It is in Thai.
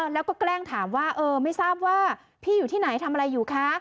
แล้วก็แกล้งถามว่าเออไม่ทราบว่าพี่อยู่ที่ไหนทำอะไรอยู่คะ